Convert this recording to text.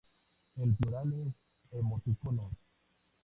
El plural es "emoticonos".